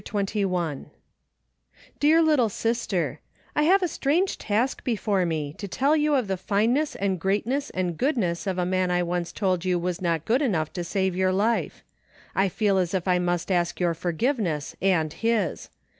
CHAPTER XXI " Dear Little Sister :" I have a strange task before me, to tell you of the fineness and greatness and goodness of a man I once told you was not good enough to save your life. I fed as if I must ask your forgiveness and his.